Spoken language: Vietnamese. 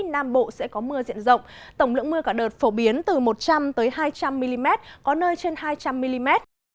nam bộ sẽ có mưa diện rộng tổng lượng mưa cả đợt phổ biến từ một trăm linh hai trăm linh mm có nơi trên hai trăm linh mm